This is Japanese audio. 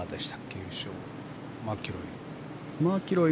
優勝、マキロイ。